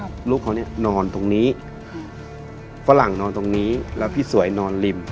ลูกเขาเนี่ยนอนตรงนี้ฝรั่งนอนตรงนี้แล้วพี่สวยนอนริม